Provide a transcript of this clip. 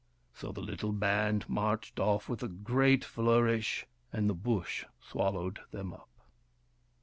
So the little band marched off with a great flourish, and the Bush swallowed them up.